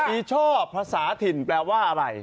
ีช่อภาษาถิ่นแปลว่าอะไร